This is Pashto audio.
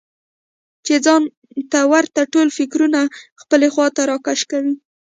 چې ځان ته ورته ټول فکرونه خپلې خواته راکشوي.